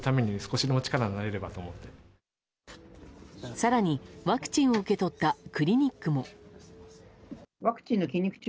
更に、ワクチンを受け取ったクリニックも。